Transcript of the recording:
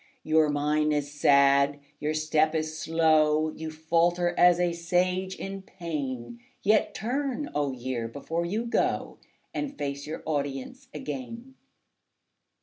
Your mien is sad, your step is slow; You falter as a Sage in pain; Yet turn, Old Year, before you go, And face your audience again.